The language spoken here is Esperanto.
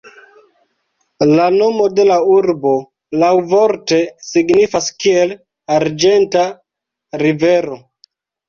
La nomo de la urbo laŭvorte signifas kiel "arĝenta rivero".